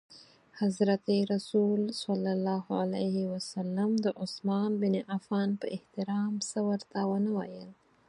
حضرت رسول ص د عثمان بن عفان په احترام څه ورته ونه ویل.